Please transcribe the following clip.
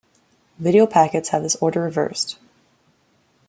Video packets have this order reversed.